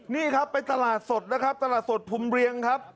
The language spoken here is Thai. นี่ครับเป็นตลาดสดนะครับตลาดสดภูมิเรียงครับ